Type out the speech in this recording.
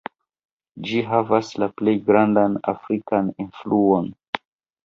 Ĝi havas la plej grandan afrikan influon.